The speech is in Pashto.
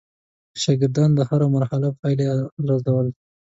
شاګردان د هره مرحله پایلې ارزول.